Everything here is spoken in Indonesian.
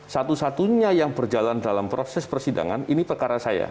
satu satunya yang berjalan dalam proses persidangan ini perkara saya